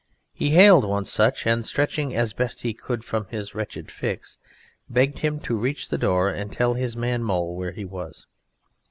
He hailed one such; and stretching, as best he could, from his wretched fix, begged him to reach the door and tell his man Mole where he was.